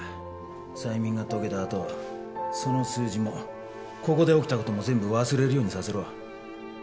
催眠が解けたあとその数字もここで起きたことも全部忘れるようにさせろ。